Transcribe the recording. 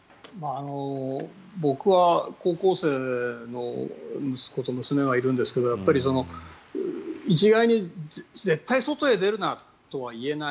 僕は高校生の息子と娘がいるんですけど一概に絶対に外に出るなとは言えない。